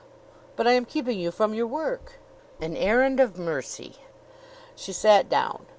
"But I am keeping you from your work." "An errand of mercy." She sat down.